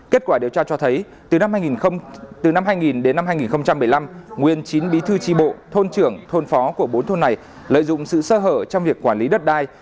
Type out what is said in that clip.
kết quả điều tra cho thấy từ năm hai nghìn hai mươi năm nguyên chín bí thư tri bộ thôn trưởng thôn phó của bốn thôn này lợi dụng sự sơ hở trong việc quản lý đất đai